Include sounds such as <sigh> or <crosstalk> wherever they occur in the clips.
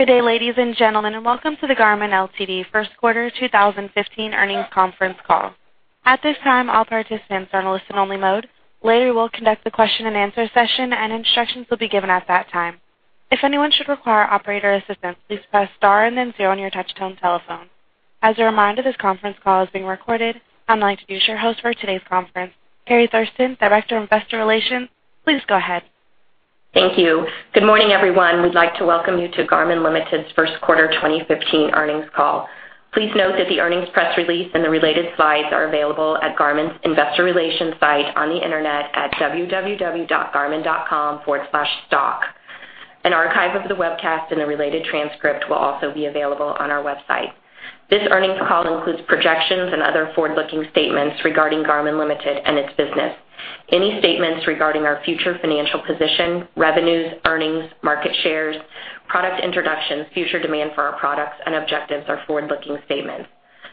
Good day, ladies and gentlemen, welcome to the Garmin Ltd First Quarter 2015 Earnings Conference Call. At this time, all participants are in listen only mode. Later, we'll conduct a question and answer session, instructions will be given at that time. If anyone should require operator assistance, please press star and then zero on your touchtone telephone. As a reminder, this conference call is being recorded. I'd like to introduce your host for today's conference, Kerri Thurston, Director of Investor Relations. Please go ahead. Thank you. Good morning, everyone. We'd like to welcome you to Garmin Limited's First Quarter 2015 Earnings Call. Please note that the earnings press release and the related slides are available at Garmin's investor relations site on the internet at www.garmin.com/stock. An archive of the webcast and a related transcript will also be available on our website. This earnings call includes projections and other forward-looking statements regarding Garmin Limited and its business. Any statements regarding our future financial position, revenues, earnings, market shares, product introductions, future demand for our products, and objectives are forward-looking statements.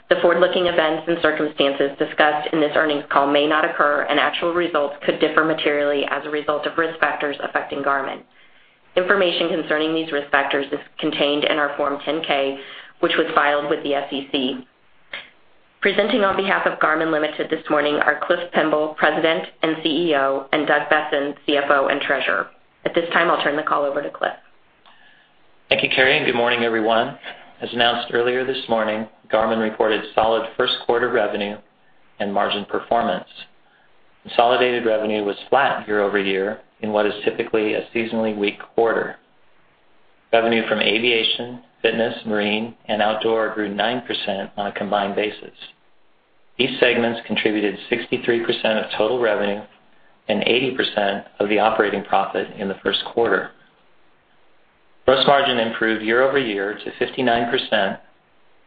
The forward-looking events and circumstances discussed in this earnings call may not occur, actual results could differ materially as a result of risk factors affecting Garmin. Information concerning these risk factors is contained in our Form 10-K, which was filed with the SEC. Presenting on behalf of Garmin Limited this morning are Cliff Pemble, President and CEO, and Doug Boessen, CFO and Treasurer. At this time, I'll turn the call over to Cliff. Thank you, Kerri, good morning, everyone. As announced earlier this morning, Garmin reported solid first quarter revenue and margin performance. Consolidated revenue was flat year-over-year in what is typically a seasonally weak quarter. Revenue from aviation, fitness, marine, and outdoor grew 9% on a combined basis. These segments contributed 63% of total revenue and 80% of the operating profit in the first quarter. Gross margin improved year-over-year to 59%,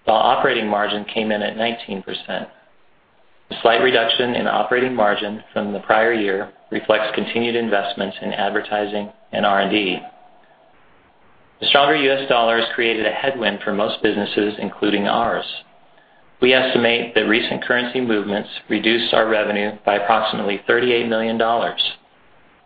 while operating margin came in at 19%. The slight reduction in operating margin from the prior year reflects continued investments in advertising and R&D. The stronger U.S. dollar has created a headwind for most businesses, including ours. We estimate that recent currency movements reduced our revenue by approximately $38 million,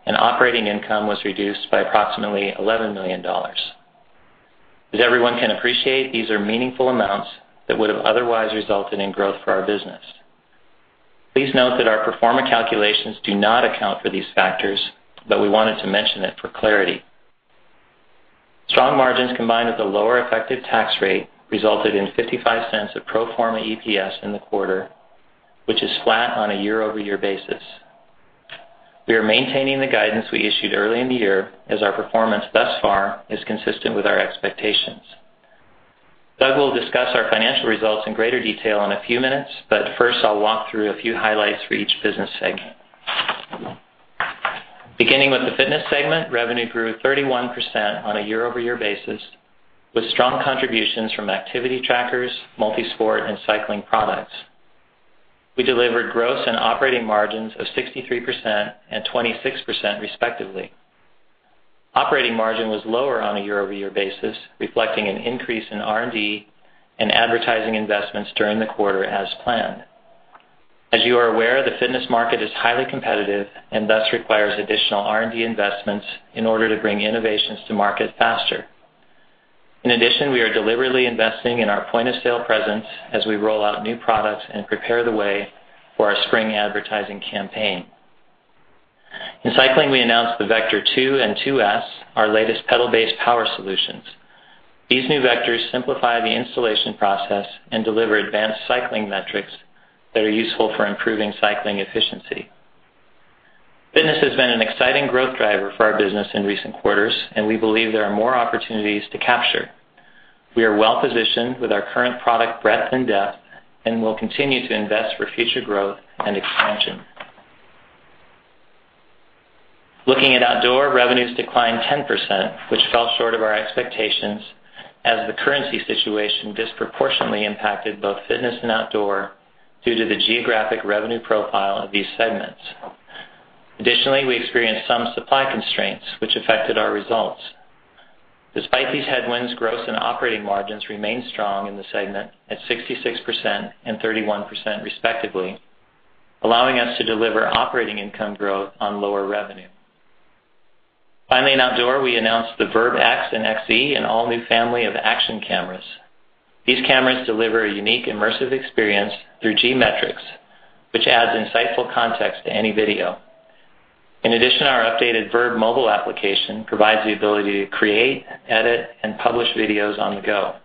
operating income was reduced by approximately $11 million. As everyone can appreciate, these are meaningful amounts that would have otherwise resulted in growth for our business. Please note that our pro forma calculations do not account for these factors, but we wanted to mention it for clarity. Strong margins combined with a lower effective tax rate resulted in $0.55 of pro forma EPS in the quarter, which is flat on a year-over-year basis. We are maintaining the guidance we issued early in the year, as our performance thus far is consistent with our expectations. Doug will discuss our financial results in greater detail in a few minutes, but first I'll walk through a few highlights for each business segment. Beginning with the fitness segment, revenue grew 31% on a year-over-year basis, with strong contributions from activity trackers, multi-sport, and cycling products. We delivered gross and operating margins of 63% and 26%, respectively. Operating margin was lower on a year-over-year basis, reflecting an increase in R&D and advertising investments during the quarter as planned. As you are aware, the fitness market is highly competitive and thus requires additional R&D investments in order to bring innovations to market faster. In addition, we are deliberately investing in our point-of-sale presence as we roll out new products and prepare the way for our spring advertising campaign. In cycling, we announced the Vector 2 and 2S, our latest pedal-based power solutions. These new Vectors simplify the installation process and deliver advanced cycling metrics that are useful for improving cycling efficiency. Fitness has been an exciting growth driver for our business in recent quarters, and we believe there are more opportunities to capture. We are well positioned with our current product breadth and depth, and we'll continue to invest for future growth and expansion. Looking at outdoor, revenues declined 10%, which fell short of our expectations as the currency situation disproportionately impacted both fitness and outdoor due to the geographic revenue profile of these segments. Additionally, we experienced some supply constraints which affected our results. Despite these headwinds, gross and operating margins remained strong in the segment at 66% and 31%, respectively, allowing us to deliver operating income growth on lower revenue. Finally, in outdoor, we announced the VIRB X and XE, an all-new family of action cameras. These cameras deliver a unique immersive experience through G-Metrix, which adds insightful context to any video. In addition, our updated VIRB mobile application provides the ability to create, edit, and publish videos on the go.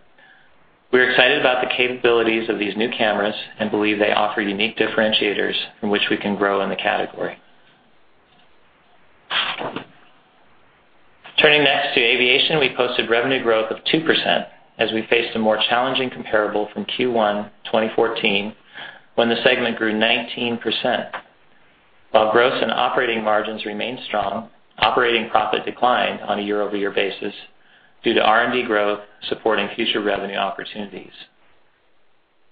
We're excited about the capabilities of these new cameras and believe they offer unique differentiators from which we can grow in the category. Turning next to aviation, we posted revenue growth of 2% as we faced a more challenging comparable from Q1 2014, when the segment grew 19%. While gross and operating margins remained strong, operating profit declined on a year-over-year basis due to R&D growth supporting future revenue opportunities.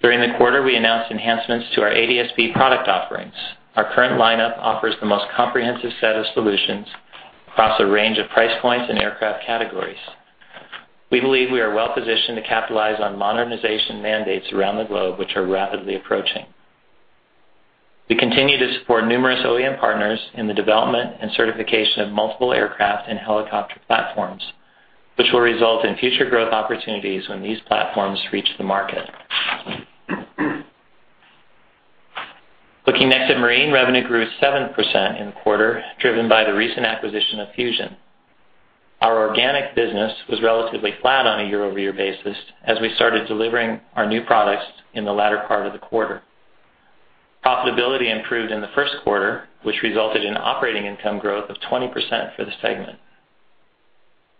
During the quarter, we announced enhancements to our ADS-B product offerings. Our current lineup offers the most comprehensive set of solutions across a range of price points and aircraft categories. We believe we are well positioned to capitalize on modernization mandates around the globe, which are rapidly approaching. We continue to support numerous OEM partners in the development and certification of multiple aircraft and helicopter platforms, which will result in future growth opportunities when these platforms reach the market. Looking next at Marine, revenue grew 7% in the quarter, driven by the recent acquisition of Fusion. Our organic business was relatively flat on a year-over-year basis as we started delivering our new products in the latter part of the quarter. Profitability improved in the first quarter, which resulted in operating income growth of 20% for the segment.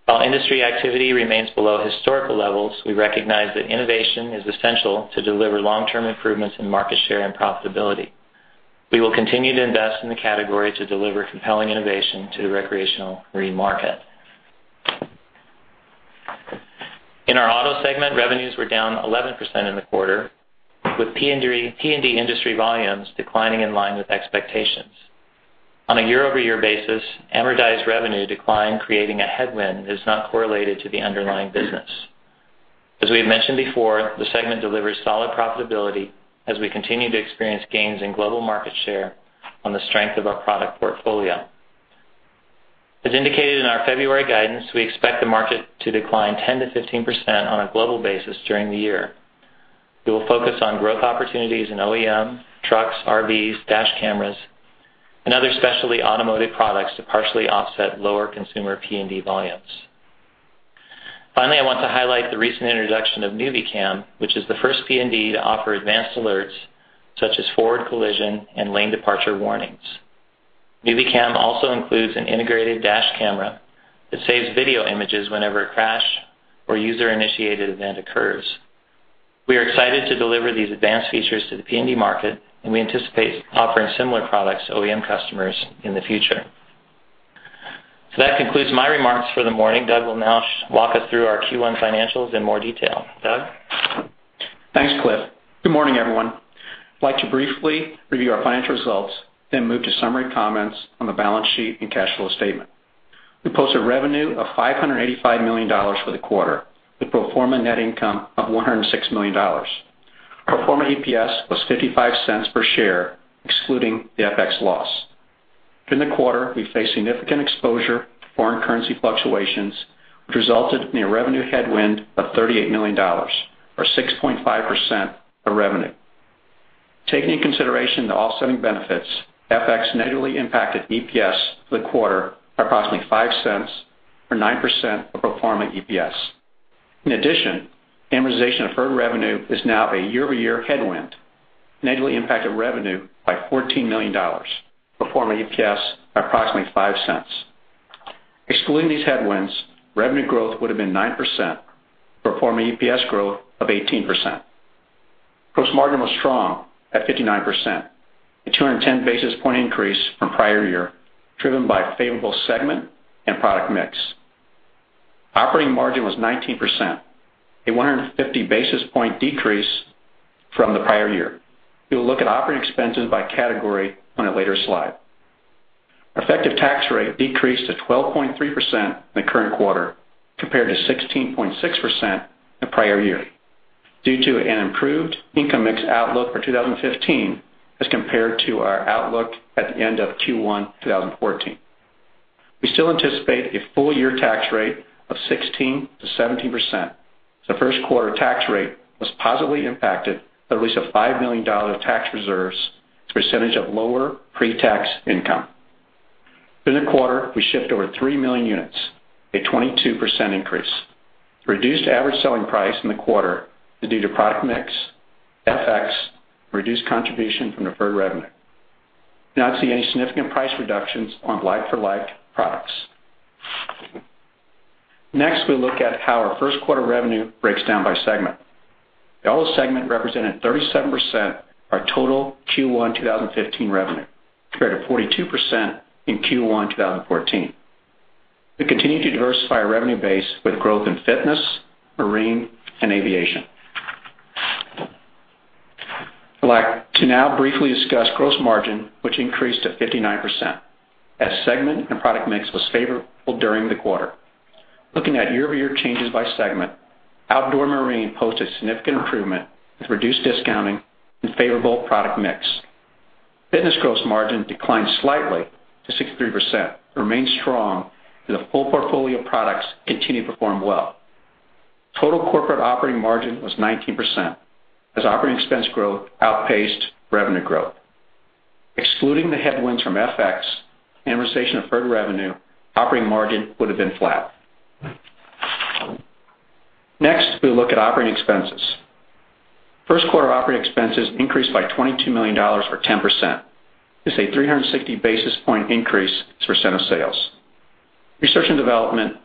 While industry activity remains below historical levels, we recognize that innovation is essential to deliver long-term improvements in market share and profitability. We will continue to invest in the category to deliver compelling innovation to the recreational marine market. In our Auto segment, revenues were down 11% in the quarter, with P&D industry volumes declining in line with expectations. On a year-over-year basis, amortized revenue declined, creating a headwind that is not correlated to the underlying business. As we have mentioned before, the segment delivers solid profitability as we continue to experience gains in global market share on the strength of our product portfolio. As indicated in our February guidance, we expect the market to decline 10%-15% on a global basis during the year. We will focus on growth opportunities in OEM, trucks, RVs, dash cameras, and other specialty automotive products to partially offset lower consumer P&D volumes. Finally, I want to highlight the recent introduction of nüviCam, which is the first P&D to offer advanced alerts such as forward collision and lane departure warnings. nüviCam also includes an integrated dash camera that saves video images whenever a crash or user-initiated event occurs. We are excited to deliver these advanced features to the P&D market, and we anticipate offering similar products to OEM customers in the future. That concludes my remarks for the morning. Doug will now walk us through our Q1 financials in more detail. Doug? Thanks, Cliff. Good morning, everyone. I'd like to briefly review our financial results, then move to summary comments on the balance sheet and cash flow statement. We posted revenue of $585 million for the quarter, with pro forma net income of $106 million. Pro forma EPS was $0.55 per share, excluding the FX loss. During the quarter, we faced significant exposure to foreign currency fluctuations, which resulted in a revenue headwind of $38 million or 6.5% of revenue. Taking into consideration the offsetting benefits, FX negatively impacted EPS for the quarter by approximately $0.05 or 9% of pro forma EPS. In addition, amortization of deferred revenue is now a year-over-year headwind, negatively impacted revenue by $14 million, pro forma EPS by approximately $0.05. Excluding these headwinds, revenue growth would've been 9%, pro forma EPS growth of 18%. Gross margin was strong at 59%, a 210 basis point increase from prior year, driven by favorable segment and product mix. Operating margin was 19%, a 150 basis point decrease from the prior year. We will look at operating expenses by category on a later slide. Our effective tax rate decreased to 12.3% in the current quarter, compared to 16.6% in the prior year, due to an improved income mix outlook for 2015 as compared to our outlook at the end of Q1 2014. We still anticipate a full year tax rate of 16%-17%, as the first quarter tax rate was positively impacted by the release of $5 million of tax reserves as a percentage of lower pre-tax income. During the quarter, we shipped over 3 million units, a 22% increase. Reduced average selling price in the quarter was due to product mix, FX, and reduced contribution from deferred revenue. We do not see any significant price reductions on like-for-like products. We'll look at how our first quarter revenue breaks down by segment. The Auto segment represented 37% of our total Q1 2015 revenue, compared to 42% in Q1 2014. We continue to diversify our revenue base with growth in Fitness, Marine, and Aviation. I'd like to now briefly discuss gross margin, which increased to 59%, as segment and product mix was favorable during the quarter. Looking at year-over-year changes by segment, Outdoor & Marine posted significant improvement with reduced discounting and favorable product mix. Fitness gross margin declined slightly to 63%, but remains strong as the full portfolio of products continue to perform well. Total corporate operating margin was 19%, as operating expense growth outpaced revenue growth. Excluding the headwinds from FX, amortization of deferred revenue, operating margin would've been flat. We'll look at operating expenses. First quarter operating expenses increased by $22 million or 10%. This is a 360 basis point increase as a percent of sales. Research and development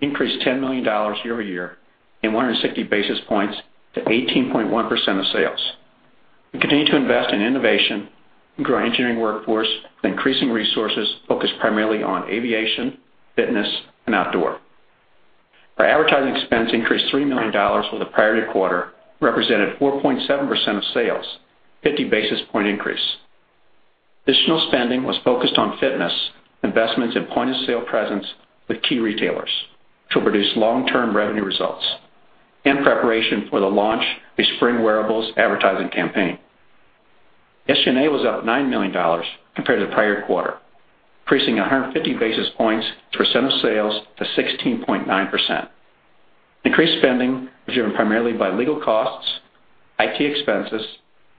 increased $10 million year-over-year and 160 basis points to 18.1% of sales. We continue to invest in innovation and grow our engineering workforce with increasing resources focused primarily on Aviation, Fitness, and Outdoor. Our advertising expense increased $3 million for the prior year quarter, represented 4.7% of sales, 50 basis point increase. Additional spending was focused on Fitness, investments in point-of-sale presence with key retailers to produce long-term revenue results in preparation for the launch of a spring wearables advertising campaign. SG&A was up $9 million compared to the prior quarter, increasing 150 basis points as a percent of sales to 16.9%. Increased spending was driven primarily by legal costs, IT expenses,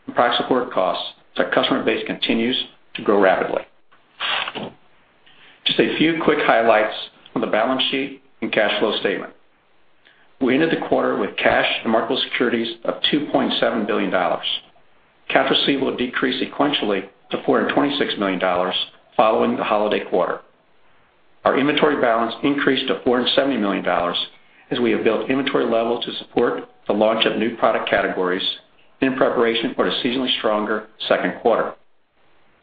and price support costs as our customer base continues to grow rapidly. A few quick highlights on the balance sheet and cash flow statement. We ended the quarter with cash and marketable securities of $2.7 billion. Cash receivable decreased sequentially to $426 million following the holiday quarter. Our inventory balance increased to $470 million as we have built inventory level to support the launch of new product categories in preparation for a seasonally stronger second quarter.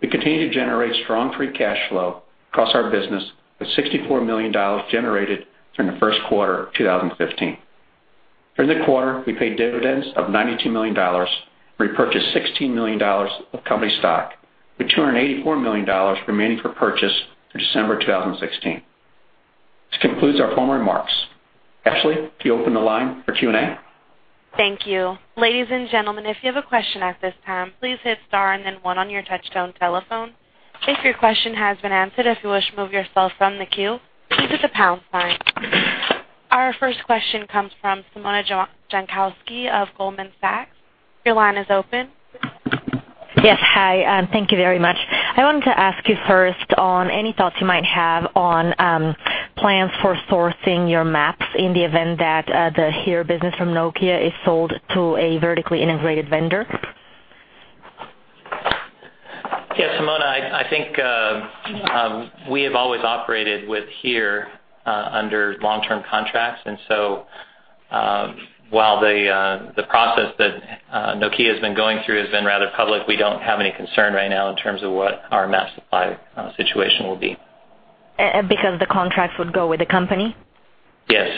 We continue to generate strong free cash flow across our business, with $64 million generated during the first quarter of 2015. During the quarter, we paid dividends of $92 million, repurchased $16 million of company stock, with $284 million remaining for purchase through December 2016. This concludes our formal remarks. Ashley, if you open the line for Q&A. Thank you. Ladies and gentlemen, if you have a question at this time, please hit star and then one on your touchtone telephone. If your question has been answered, if you wish to remove yourself from the queue, please hit the pound sign. Our first question comes from Simona Jankowski of Goldman Sachs. Your line is open. Yes. Hi. Thank you very much. I wanted to ask you first on any thoughts you might have on plans for sourcing your maps in the event that the HERE business from Nokia is sold to a vertically integrated vendor. Yes, Simona, I think we have always operated with HERE under long-term contracts. While the process that Nokia has been going through has been rather public, we don't have any concern right now in terms of what our map supply situation will be. The contracts would go with the company? Yes.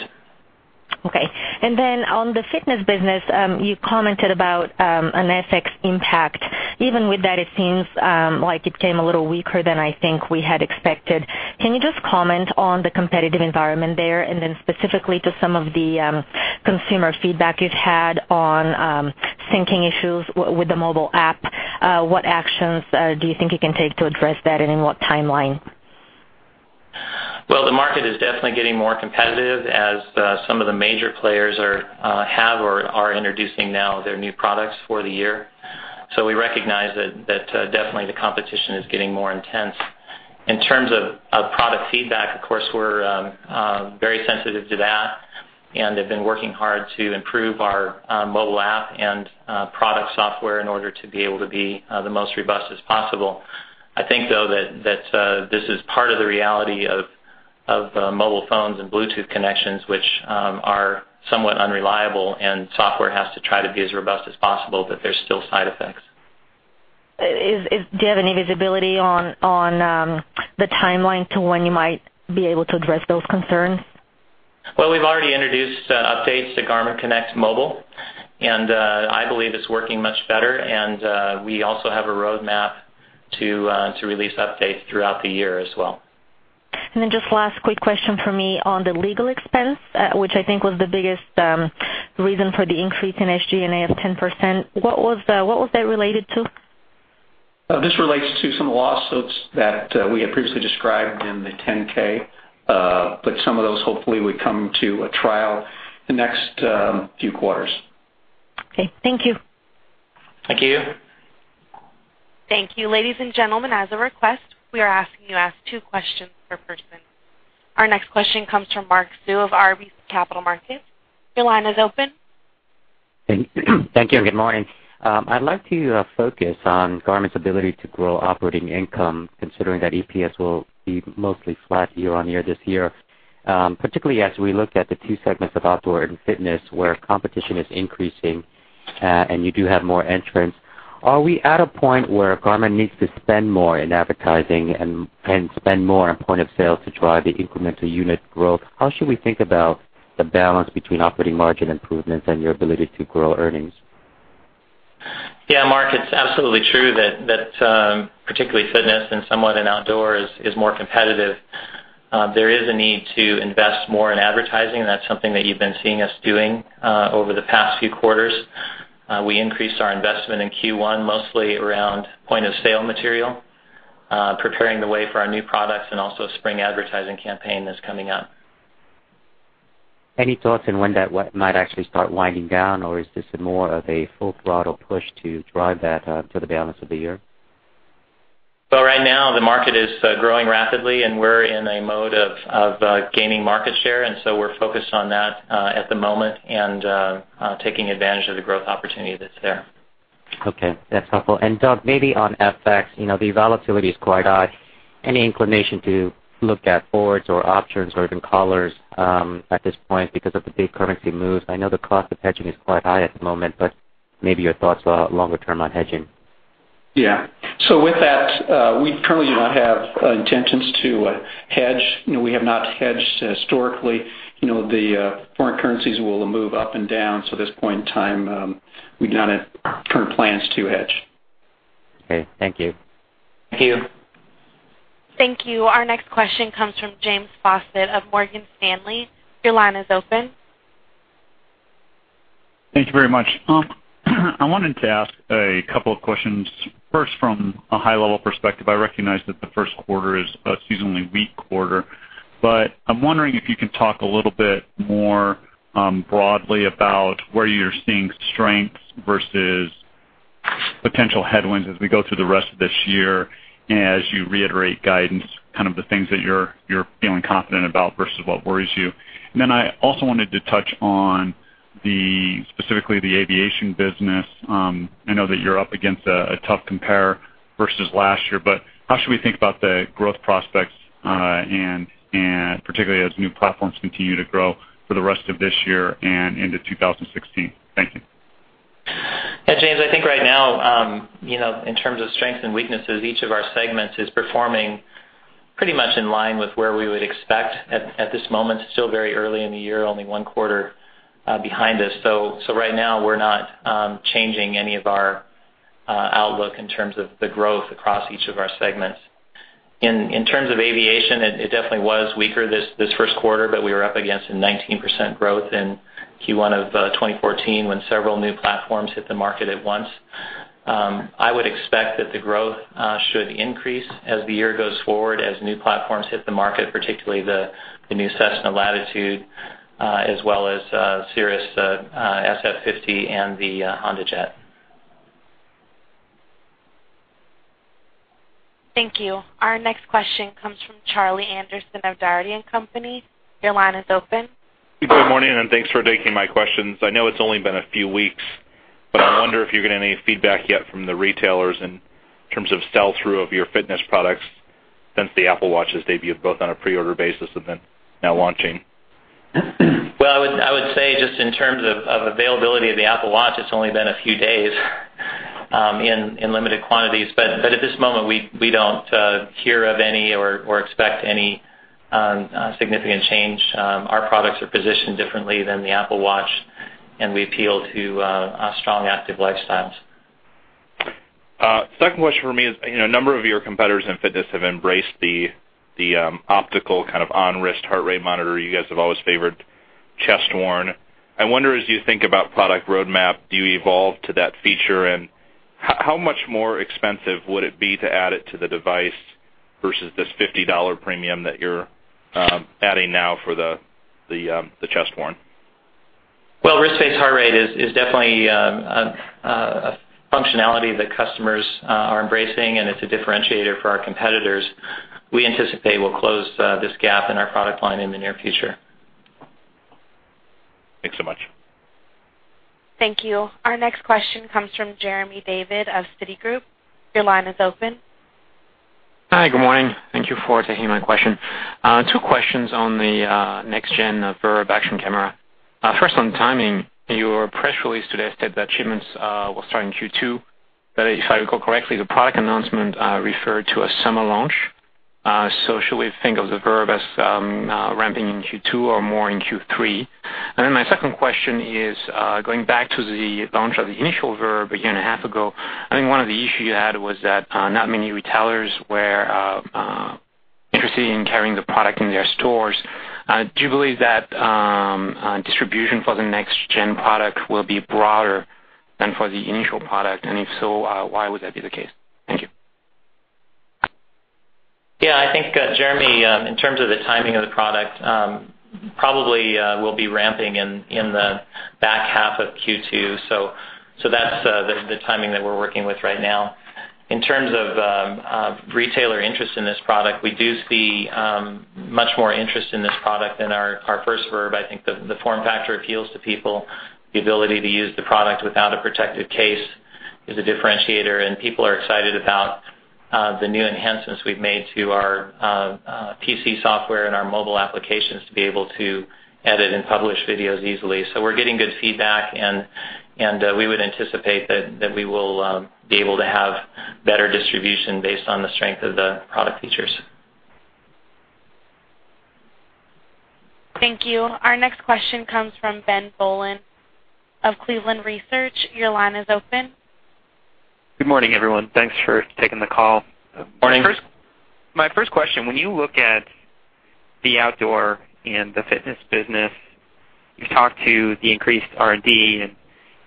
Okay. On the fitness business, you commented about an FX impact. Even with that, it seems like it came a little weaker than I think we had expected. Can you just comment on the competitive environment there, specifically to some of the consumer feedback you've had on syncing issues with the mobile app, what actions do you think you can take to address that, and in what timeline? Well, the market is definitely getting more competitive as some of the major players have or are introducing now their new products for the year. We recognize that definitely the competition is getting more intense. In terms of product feedback, of course, we're very sensitive to that and have been working hard to improve our mobile app and product software in order to be able to be the most robust as possible. I think, though, that this is part of the reality of mobile phones and Bluetooth connections, which are somewhat unreliable, and software has to try to be as robust as possible, but there's still side effects. Do you have any visibility on the timeline to when you might be able to address those concerns? Well, we've already introduced updates to Garmin Connect Mobile, and I believe it's working much better, and we also have a roadmap to release updates throughout the year as well. Just last quick question from me on the legal expense, which I think was the biggest reason for the increase in SG&A of 10%. What was that related to? This relates to some lawsuits that we had previously described in the 10-K, but some of those hopefully would come to a trial the next few quarters. Okay. Thank you. Thank you. Thank you. Ladies and gentlemen, as a request, we are asking you to ask two questions per person. Our next question comes from Mark Sue of RBC Capital Markets. Your line is open. Thank you. Good morning. I'd like to focus on Garmin's ability to grow operating income, considering that EPS will be mostly flat year-on-year this year. Particularly as we look at the two segments of Outdoor and Fitness, where competition is increasing and you do have more entrants, are we at a point where Garmin needs to spend more in advertising and spend more on point of sale to drive the incremental unit growth? How should we think about the balance between operating margin improvements and your ability to grow earnings? Yeah, Mark, it's absolutely true that particularly Fitness and somewhat in Outdoor is more competitive. There is a need to invest more in advertising. That's something that you've been seeing us doing over the past few quarters. We increased our investment in Q1 mostly around point of sale material, preparing the way for our new products and also a spring advertising campaign that's coming up. Any thoughts on when that might actually start winding down? Is this more of a full throttle push to drive that for the balance of the year? Well, right now the market is growing rapidly. We're in a mode of gaining market share. We're focused on that at the moment and taking advantage of the growth opportunity that's there. Doug, maybe on FX, the volatility is quite high. Any inclination to look at forwards or options or even collars at this point because of the big currency moves? I know the cost of hedging is quite high at the moment, but maybe your thoughts longer term on hedging? Yeah. With that, we currently do not have intentions to hedge. We have not hedged historically. The foreign currencies will move up and down. At this point in time, we do not have current plans to hedge. Okay. Thank you. Thank you. Thank you. Our next question comes from James Faucette of Morgan Stanley. Your line is open. Thank you very much. I wanted to ask a couple of questions. First, from a high-level perspective, I recognize that the first quarter is a seasonally weak quarter, but I'm wondering if you can talk a little bit more broadly about where you're seeing strengths versus potential headwinds as we go through the rest of this year, as you reiterate guidance, the things that you're feeling confident about versus what worries you. I also wanted to touch on specifically the aviation business. I know that you're up against a tough compare versus last year, but how should we think about the growth prospects, and particularly as new platforms continue to grow for the rest of this year and into 2016? Thank you. Yeah, James, I think right now, in terms of strengths and weaknesses, each of our segments is performing pretty much in line with where we would expect at this moment. It's still very early in the year, only one quarter behind us. Right now, we're not changing any of our outlook in terms of the growth across each of our segments. In terms of aviation, it definitely was weaker this first quarter, but we were up against a 19% growth in Q1 of 2014 when several new platforms hit the market at once. I would expect that the growth should increase as the year goes forward, as new platforms hit the market, particularly the new Cessna Latitude, as well as Cirrus SF50 and the HondaJet. Thank you. Our next question comes from Charlie Anderson of Dougherty & Company. Your line is open. Good morning. Thanks for taking my questions. I know it's only been a few weeks, I wonder if you're getting any feedback yet from the retailers in terms of sell-through of your fitness products since the Apple Watch's debut, both on a pre-order basis and now launching. Well, I would say, just in terms of availability of the Apple Watch, it's only been a few days in limited quantities. At this moment, we don't hear of any or expect any significant change. Our products are positioned differently than the Apple Watch, we appeal to strong active lifestyles. Second question for me is, a number of your competitors in fitness have embraced the optical on-wrist heart rate monitor. You guys have always favored chest worn. I wonder, as you think about product roadmap, do you evolve to that feature, how much more expensive would it be to add it to the device versus this $50 premium that you're adding now for the chest worn? Well, wrist-based heart rate is definitely a functionality that customers are embracing, it's a differentiator for our competitors. We anticipate we'll close this gap in our product line in the near future. Thanks so much. Thank you. Our next question comes from Jeremy David of Citigroup. Your line is open. Hi, good morning. Thank you for taking my question. Two questions on the next-gen VIRB action camera. First, on timing, your press release today said that shipments will start in Q2, but if I recall correctly, the product announcement referred to a summer launch. Should we think of the VIRB as ramping in Q2 or more in Q3? My second question is going back to the launch of the initial VIRB a year and a half ago. I think one of the issues you had was that not many retailers were interested in carrying the product in their stores. Do you believe that distribution for the next-gen product will be broader than for the initial product, and if so, why would that be the case? Thank you. I think, Jeremy, in terms of the timing of the product, probably we'll be ramping in the back half of Q2. That's the timing that we're working with right now. In terms of retailer interest in this product, we do see much more interest in this product than our first VIRB. I think the form factor appeals to people. The ability to use the product without a protective case is a differentiator, and people are excited about the new enhancements we've made to our PC software and our mobile applications to be able to edit and publish videos easily. We're getting good feedback, and we would anticipate that we will be able to have better distribution based on the strength of the product features. Thank you. Our next question comes from Ben Bollin of Cleveland Research. Your line is open. Good morning, everyone. Thanks for taking the call. Morning. My first question, when you look at the outdoor and the fitness business, you talk to the increased R&D and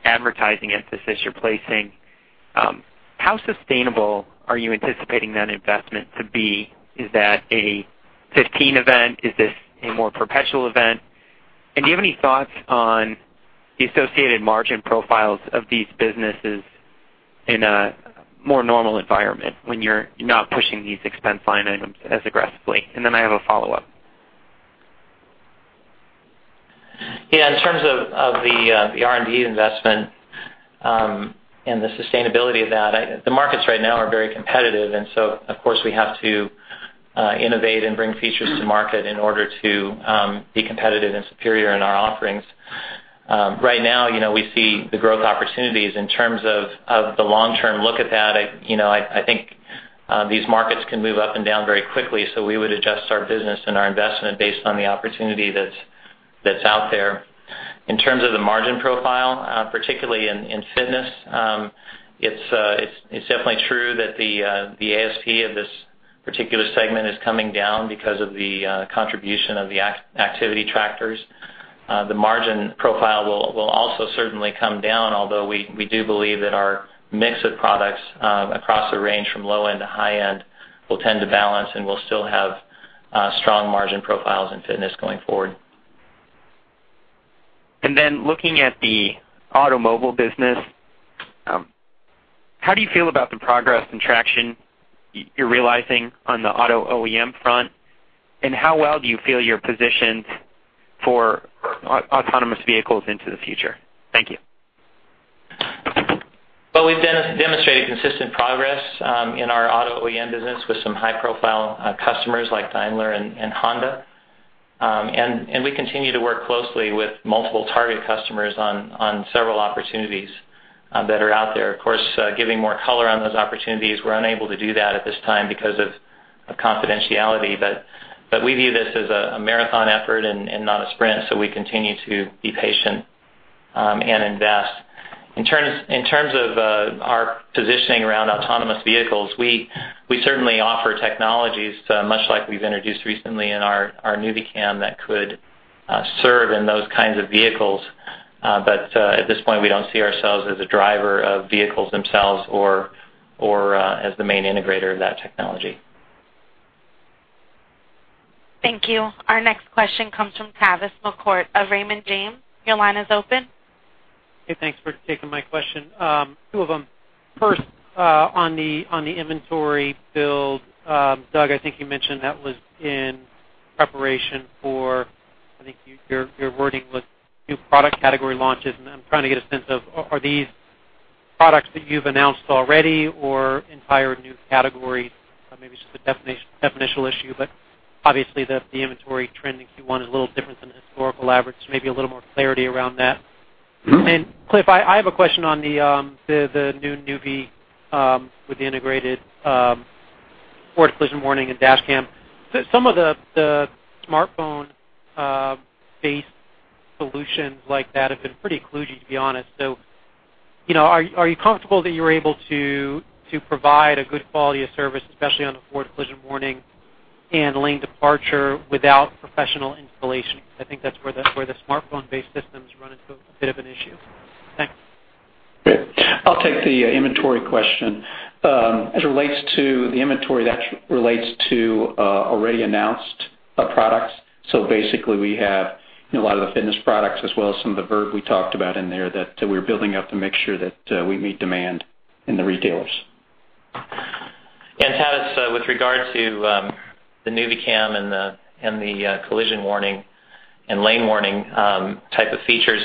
advertising emphasis you're placing. How sustainable are you anticipating that investment to be? Is that a 2015 event? Is this a more perpetual event? Do you have any thoughts on the associated margin profiles of these businesses in a more normal environment when you're not pushing these expense line items as aggressively? Then I have a follow-up. Yeah, in terms of the R&D investment and the sustainability of that, the markets right now are very competitive, of course, we have to innovate and bring features to market in order to be competitive and superior in our offerings. Right now, we see the growth opportunities. In terms of the long-term look at that, I think these markets can move up and down very quickly. We would adjust our business and our investment based on the opportunity that's out there. In terms of the margin profile, particularly in fitness, it's definitely true that the ASP of this particular segment is coming down because of the contribution of the activity trackers. The margin profile will also certainly come down, although we do believe that our mix of products across the range from low-end to high-end will tend to balance, and we'll still have strong margin profiles in fitness going forward. Looking at the automobile business, how do you feel about the progress and traction you're realizing on the auto OEM front? How well do you feel you're positioned for autonomous vehicles into the future? Thank you. Well, we've demonstrated consistent progress in our auto OEM business with some high-profile customers like Daimler and Honda. We continue to work closely with multiple target customers on several opportunities that are out there. Of course, giving more color on those opportunities, we're unable to do that at this time because of confidentiality. We view this as a marathon effort and not a sprint, so we continue to be patient and invest. In terms of our positioning around autonomous vehicles, we certainly offer technologies, much like we've introduced recently in our nüviCam, that could serve in those kinds of vehicles. At this point, we don't see ourselves as a driver of vehicles themselves or as the main integrator of that technology. Thank you. Our next question comes from Tavis McCourt of Raymond James. Your line is open. Thanks for taking my question. Two of them. First, on the inventory build. Doug, I think you mentioned that was in preparation for, I think your wording was new product category launches. I am trying to get a sense of, are these products that you have announced already or entire new categories? Maybe it is just a definitional issue, obviously, the inventory trend in Q1 is a little different than the historical average. Maybe a little more clarity around that. Cliff, I have a question on the new nüvi with the integrated forward collision warning and dash cam. Some of the smartphone-based solutions like that have been pretty kludgy, to be honest. Are you comfortable that you are able to provide a good quality of service, especially on the forward collision warning and lane departure, without professional installation? I think that is where the smartphone-based systems run into a bit of an issue. Thanks. Great. I will take the inventory question. As it relates to the inventory, that relates to already announced products. Basically, we have a lot of the fitness products as well as some of the VIRB we talked about in there that we are building up to make sure that we meet demand in the retailers. Tavis, with regard to the nüviCam and the collision warning and lane warning type of features,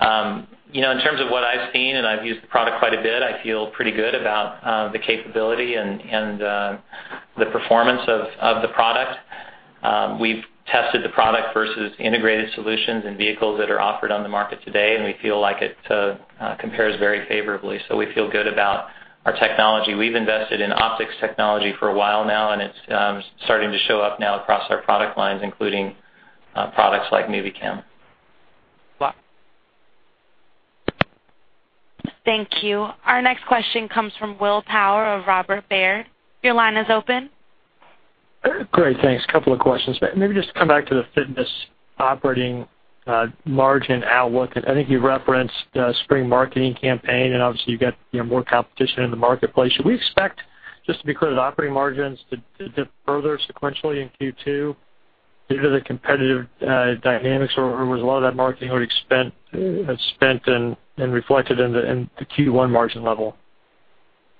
in terms of what I have seen, and I have used the product quite a bit, I feel pretty good about the capability and the performance of the product. We have tested the product versus integrated solutions in vehicles that are offered on the market today. We feel like it compares very favorably. We feel good about our technology. We have invested in optics technology for a while now. It is starting to show up now across our product lines, including products like nüviCam. Okay. Thank you. Our next question comes from Will Power of Robert Baird. Your line is open. Great. Thanks. Couple of questions. Maybe just to come back to the fitness operating margin outlook. I think you referenced a spring marketing campaign, obviously, you've got more competition in the marketplace. Should we expect, just to be clear, the operating margins to dip further sequentially in Q2 due to the competitive dynamics? Was a lot of that marketing already spent and reflected in the Q1 margin level?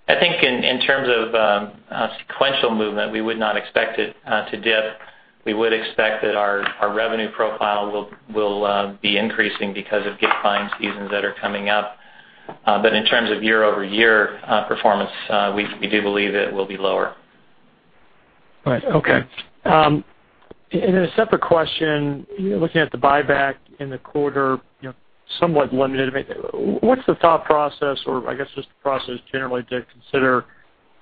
I think in terms of sequential movement, we would not expect it to dip. We would expect that our revenue profile will be increasing because of gift-buying seasons that are coming up. In terms of year-over-year performance, we do believe it will be lower. Right. Okay. Then a separate question, looking at the buyback in the quarter, somewhat limited. What's the thought process, or I guess just the process generally, to consider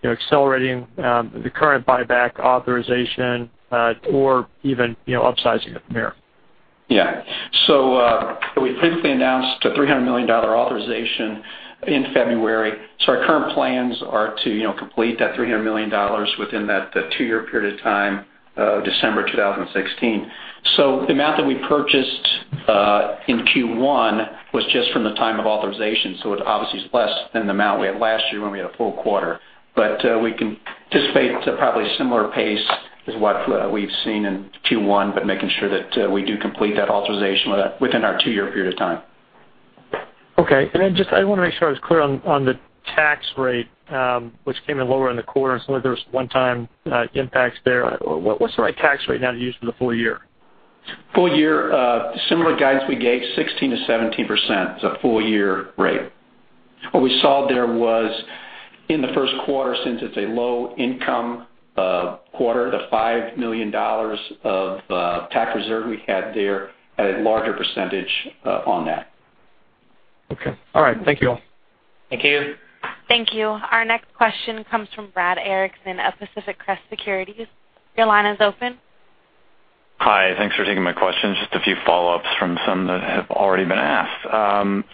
accelerating the current buyback authorization or even upsizing it from here? We previously announced a $300 million authorization in February. Our current plans are to complete that $300 million within that two-year period of time, December 2016. The amount that we purchased in Q1 was just from the time of authorization, it obviously is less than the amount we had last year when we had a full quarter. We can anticipate probably a similar pace as what we've seen in Q1, but making sure that we do complete that authorization within our two-year period of time. Okay. Just, I want to make sure I was clear on the tax rate, which came in lower in the quarter, and some of those one-time impacts there. What's the right tax rate now to use for the full year? Full year, similar guidance we gave, 16%-17% is a full year rate. What we saw there was in the first quarter, since it's a low-income quarter, the $5 million of tax reserve we had there had a larger percentage on Okay. All right. Thank you all. Thank you. Thank you. Our next question comes from Brad Erickson of Pacific Crest Securities. Your line is open. Hi. Thanks for taking my questions. Just a few follow-ups from some that have already been asked.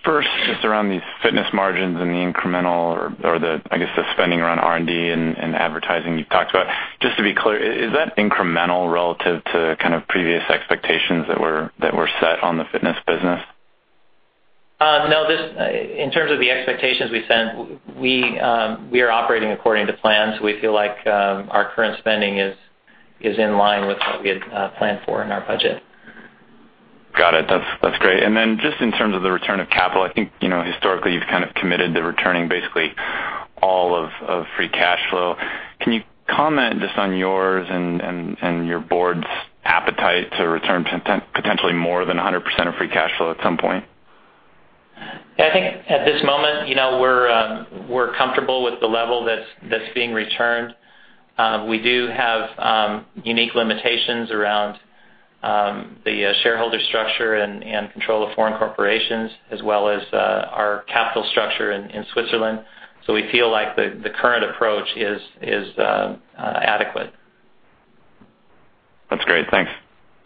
First, just around these fitness margins and the incremental or the, I guess, the spending around R&D and advertising you've talked about. Just to be clear, is that incremental relative to kind of previous expectations that were set on the fitness business? No. In terms of the expectations we set, we are operating according to plan. We feel like our current spending is in line with what we had planned for in our budget. Got it. That's great. Just in terms of the return of capital, I think historically, you've kind of committed to returning basically all of free cash flow. Can you comment just on yours and your board's appetite to return potentially more than 100% of free cash flow at some point? I think at this moment, we're comfortable with the level that's being returned. We do have unique limitations around the shareholder structure and control of foreign corporations as well as our capital structure in Switzerland. We feel like the current approach is adequate. That's great. Thanks.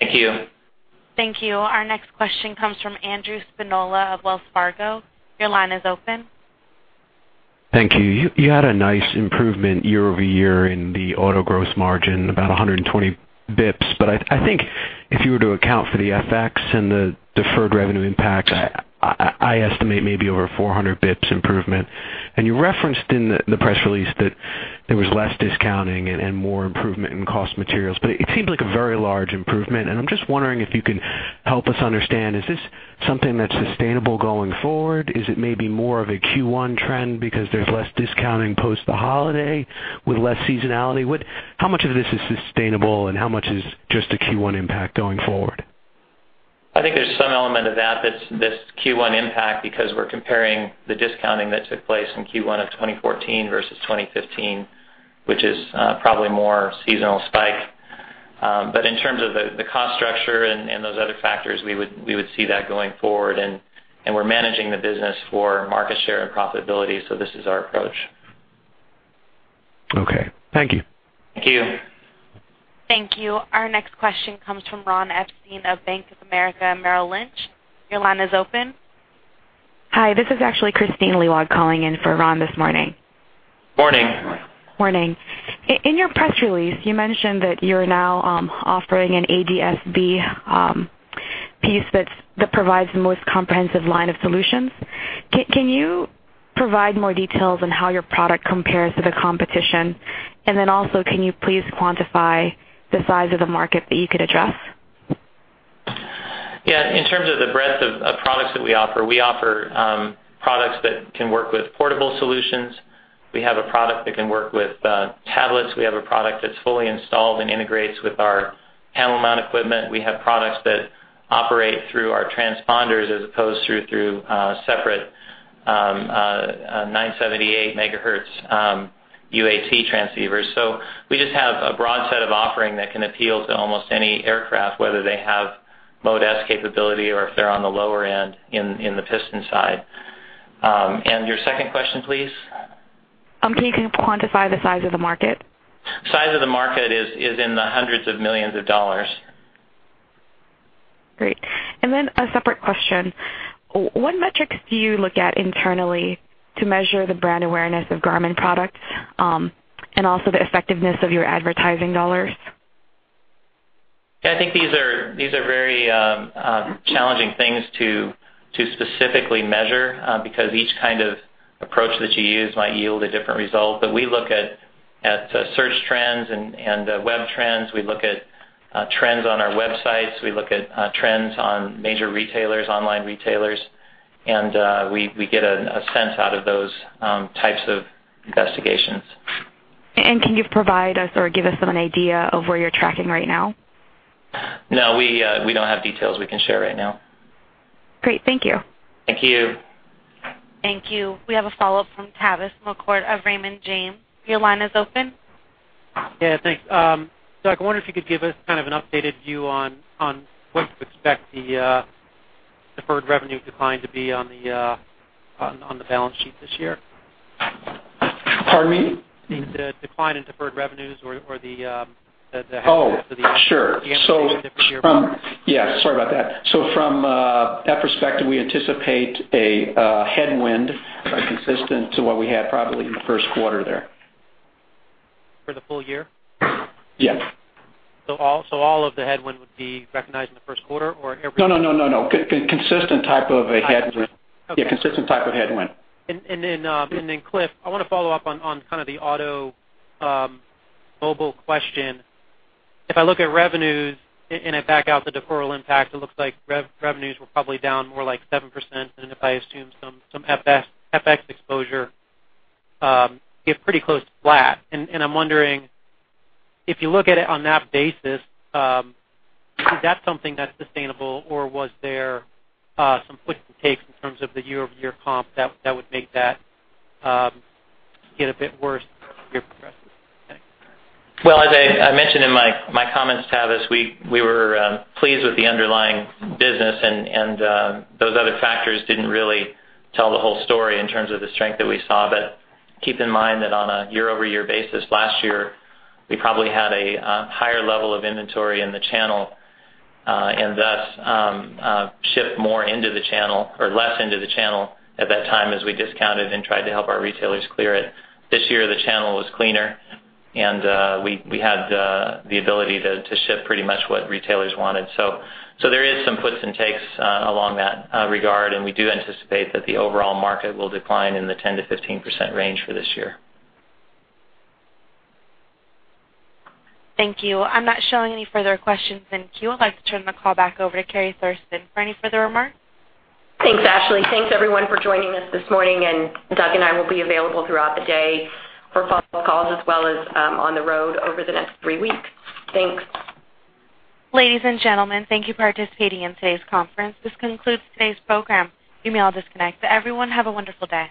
Thank you. Thank you. Our next question comes from Andrew Spinola of Wells Fargo. Your line is open. Thank you. You had a nice improvement year-over-year in the auto gross margin, about 120 basis points. I think if you were to account for the FX and the deferred revenue impacts, I estimate maybe over 400 basis points improvement. You referenced in the press release that there was less discounting and more improvement in cost materials, but it seems like a very large improvement, and I'm just wondering if you can help us understand, is this something that's sustainable going forward? Is it maybe more of a Q1 trend because there's less discounting post the holiday with less seasonality? How much of this is sustainable and how much is just a Q1 impact going forward? I think there's some element of that, this Q1 impact, because we're comparing the discounting that took place in Q1 of 2014 versus 2015, which is probably more seasonal spike. In terms of the cost structure and those other factors, we would see that going forward, we're managing the business for market share and profitability, this is our approach. Okay. Thank you. Thank you. Thank you. Our next question comes from Ron Epstein of Bank of America Merrill Lynch. Your line is open. Hi, this is actually Kristine Liwag calling in for Ron this morning. Morning. Morning. In your press release, you mentioned that you're now offering an ADS-B piece that provides the most comprehensive line of solutions. Can you provide more details on how your product compares to the competition? Also, can you please quantify the size of the market that you could address? Yeah. In terms of the breadth of products that we offer, we offer products that can work with portable solutions. We have a product that can work with tablets. We have a product that's fully installed and integrates with our panel mount equipment. We have products that operate through our transponders as opposed through separate 978 MHz UAT transceivers. We just have a broad set of offering that can appeal to almost any aircraft, whether they have Mode S capability or if they're on the lower end in the piston side. Your second question, please? Can you quantify the size of the market? Size of the market is in the hundreds of millions of dollars. Great. A separate question. What metrics do you look at internally to measure the brand awareness of Garmin products, and also the effectiveness of your advertising dollars? I think these are very challenging things to specifically measure, because each kind of approach that you use might yield a different result. We look at search trends and web trends. We look at trends on our websites. We look at trends on major retailers, online retailers, we get a sense out of those types of investigations. Can you provide us or give us an idea of where you're tracking right now? No, we don't have details we can share right now. Great. Thank you. Thank you. Thank you. We have a follow-up from Tavis McCourt of Raymond James. Your line is open. Yeah, thanks. Doug, I wonder if you could give us kind of an updated view on what to expect the deferred revenue decline to be on the balance sheet this year. Pardon me? The decline in deferred revenues or. Oh, sure. <crosstalk> Yeah, sorry about that. From that perspective, we anticipate a headwind consistent to what we had probably in the first quarter there. For the full year? Yes. All of the headwind would be recognized in the first quarter or? No, no. Consistent type of a headwind. Okay. Yeah, consistent type of headwind. Cliff, I want to follow up on kind of the automobile question. If I look at revenues and I back out the deferral impact, it looks like revenues were probably down more like 7%, and if I assume some FX exposure, you have pretty close to flat. I'm wondering, if you look at it on that basis, is that something that's sustainable or was there some puts and takes in terms of the year-over-year comp that would make that get a bit worse year progressive? Thanks. As I mentioned in my comments, Tavis, we were pleased with the underlying business, those other factors didn't really tell the whole story in terms of the strength that we saw. Keep in mind that on a year-over-year basis, last year, we probably had a higher level of inventory in the channel, and thus, shipped more into the channel or less into the channel at that time as we discounted and tried to help our retailers clear it. This year, the channel was cleaner, we had the ability to ship pretty much what retailers wanted. There is some puts and takes along that regard, we do anticipate that the overall market will decline in the 10%-15% range for this year. Thank you. I'm not showing any further questions in queue. I'd like to turn the call back over to Kerri Thurston for any further remarks. Thanks, Ashley. Thanks, everyone, for joining us this morning, Doug and I will be available throughout the day for follow-up calls as well as on the road over the next three weeks. Thanks. Ladies and gentlemen, thank you for participating in today's conference. This concludes today's program. You may all disconnect. Everyone, have a wonderful day.